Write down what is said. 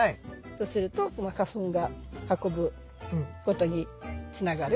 そうするとこの花粉が運ぶことにつながる。